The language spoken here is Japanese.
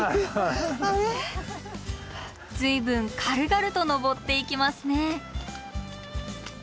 随分軽々と登っていきますね。